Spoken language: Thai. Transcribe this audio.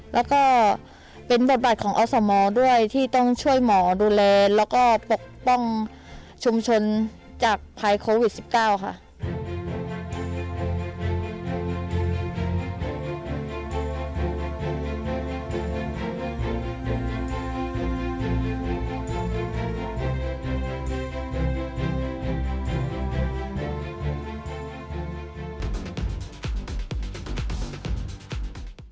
แล้วก็เป็นบทบาทของอสมด้วยที่ต้องช่วยหมอดูแลแล้วก็ปกป้องชุมชนจากภัยโควิด๑๙ค่ะ